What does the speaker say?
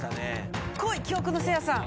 来い記憶のせいやさん。